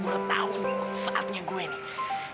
gue udah tau saatnya gue nih